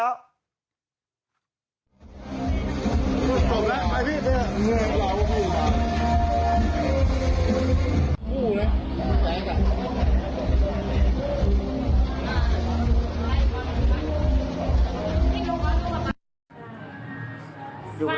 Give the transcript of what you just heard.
จบแล้วไอ้พี่เจ้าเดี๋ยวเดี๋ยวเดี๋ยวหล่าว่าพี่อยู่ป่ะ